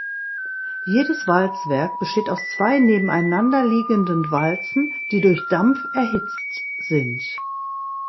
Jedes Walzwerk besteht aus zwei nebeneinander liegenden Walzen, die durch Dampf erhitzt sind.